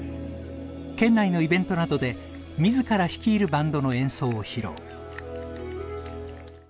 県内のイベントなどで自ら率いるバンドの演奏を披露。